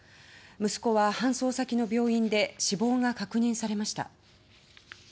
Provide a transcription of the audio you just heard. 息子は搬送先の病院で死亡が確認されました。